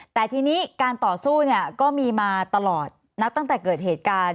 แต่ทีนี้การต่อสู้เนี่ยก็มีมาตลอดนับตั้งแต่เกิดเหตุการณ์